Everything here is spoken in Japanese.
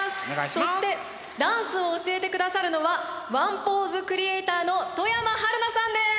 そしてダンスを教えてくださるのはワンポーズクリエイターの外山晴菜さんです。